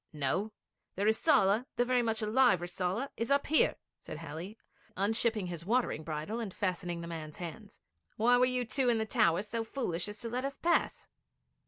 'No; the Rissala, the very much alive Rissala. It is up here,' said Halley, unshipping his watering bridle, and fastening the man's hands. 'Why were you in the towers so foolish as to let us pass?'